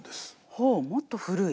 ほうもっと古い。